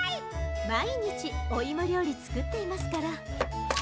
まいにちおいもりょうりつくっていますから。